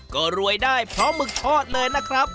ก็รวยได้เพราะหมึกทอดเลยนะครับ